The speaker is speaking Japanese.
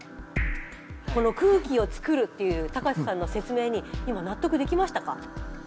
この空気をつくるっていう高瀬さんの説明に今納得できましたか？